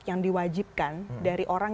yang diwajibkan dari orang